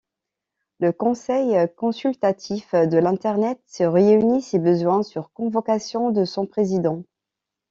Le Conseil consultatif de l'internet se réunit, si besoin, sur convocation de son président.